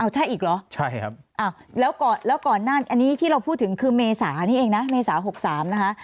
ใช่อีกเหรอใช่ครับแล้วก่อนหน้านี้อันนี้ที่เราพูดถึงคือเมษานี่เองนะเมษา๖๓นะคะ